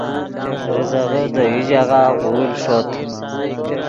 ریزغے دے یو ژاغہ غول ݰوت